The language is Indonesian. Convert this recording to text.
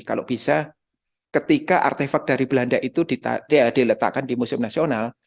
kalau bisa ketika artefak dari belanda itu diletakkan di museum nasional